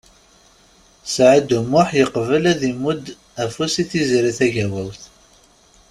Saɛid U Muḥ yeqbel ad imudd afus i Tiziri Tagawawt.